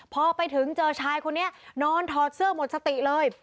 พอไปถึงเจอชายคนนี้นอนถอดเสื้อหมดสติเลย